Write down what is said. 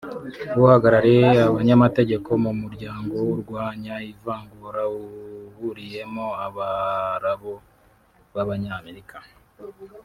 uhagarariye abanyamategeko mu muryango urwanya ivangura uhuriyemo Abarabu b’Abanyamerika